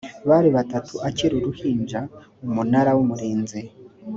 bari batatu akiri uruhinja umunara w’umurinzi